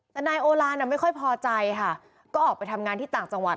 แต่นายโอลานไม่ค่อยพอใจค่ะก็ออกไปทำงานที่ต่างจังหวัด